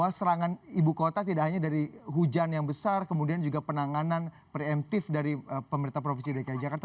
bahwa serangan ibu kota tidak hanya dari hujan yang besar kemudian juga penanganan preemptif dari pemerintah provinsi dki jakarta